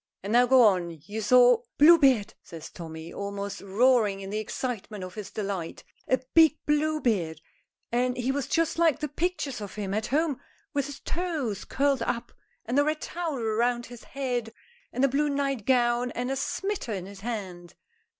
"And now go on. You saw " "Bluebeard!" says Tommy, almost roaring in the excitement of his delight. "A big Bluebeard, and he was just like the pictures of him at home, with his toes curled up and a red towel round his head and a blue night gown and a smiter in his hand."